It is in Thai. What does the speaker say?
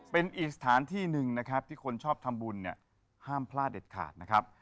เป็นอีกสถานที่หนึ่งนะครับที่คนชอบทำบุญเนี่ยห้ามพลาดเด็ดขาดนะครับ